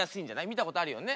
見たことあるよね？